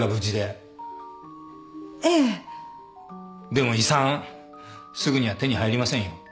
でも遺産すぐには手に入りませんよ。